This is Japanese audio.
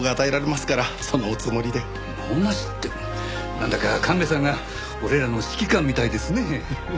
なんだか神戸さんが俺らの指揮官みたいですね。